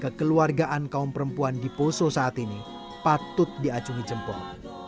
kekeluargaan kaum perempuan diposong saat ini patut diacungi jempol